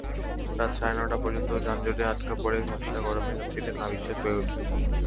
রাত সাড়ে নয়টা পর্যন্ত যানজটে আটকা পড়ে ভ্যাপসা গরমে যাত্রীদের নাভিশ্বাস ওঠে।